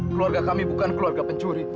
keluarga kami bukan keluarga pencuri